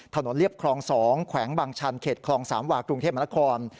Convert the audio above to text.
ถนนเลียบคลอง๒แขวงบางชันเขตคลอง๓หว่ากรุงเทพมนาคม